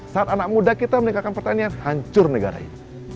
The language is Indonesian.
saat anak muda kita meningkatkan pertanian hancur negara itu